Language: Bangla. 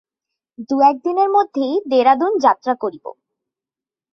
দু-এক দিনের মধ্যেই দেরাদুন যাত্রা করিব।